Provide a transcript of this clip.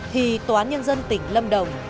thì tòa nhân dân tỉnh lâm đồng